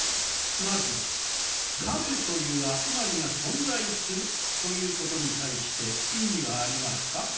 まず「『数』という集まりが存在する」ということに対して異議はありますか？